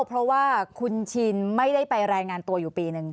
เพราะว่าคุณชินไม่ได้ไปรายงานตัวอยู่ปีหนึ่ง